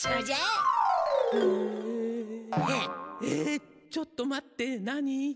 えっちょっと待って何？